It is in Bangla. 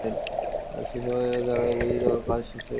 যে সময়ে হউক জানাইলেই বুঝি তোমার কাজ শেষ হইল?